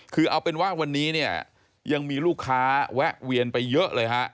คือเอาเป็นว่าวันนี้เนี่ยยังมีลูกค้าแวะเวียนไปเยอะเลยฮะ